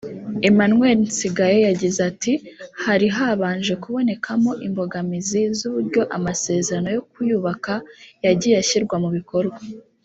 Emmanuel Nsigaye yagize ati “Hari habanje kubonekamo imbogamizi z’uburyo amasezerano yo kuyubaka yagiye ashyirwa mu bikorwa